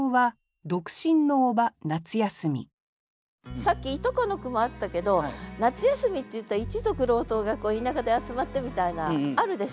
さっきいとこの句もあったけど夏休みっていったら一族郎党が田舎で集まってみたいなあるでしょ？